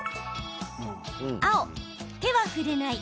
青・手は触れない。